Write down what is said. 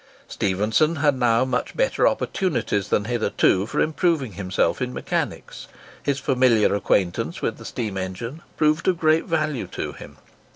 Stephenson had now much better opportunities than hitherto for improving himself in mechanics. His familiar acquaintance with the steam engine proved of great value to him.